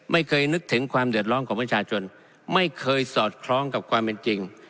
ไม่เคยนึกถึงความเดือดร้อนของประชาชนไม่เคยสอดคล้องกับความเป็นจริง